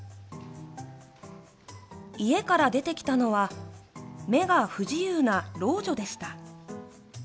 家から出てきたのは目が不自由な老女でした。